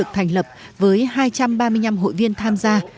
tập với hai trăm ba mươi năm hội viên tham gia